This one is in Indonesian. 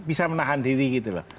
bisa menahan diri gitu loh